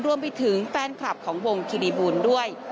รวมไปถึงแฟนคลับของวงคิริบูลด้วย